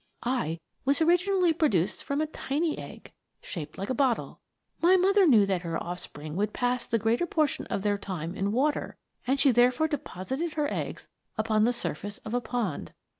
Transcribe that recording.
" I was originally produced from a tiny egg, shaped like a bottle. My mother knew that her offspring would pass the greater portion of their time in water, and she therefore deposited her eggs upon the surface of a pond.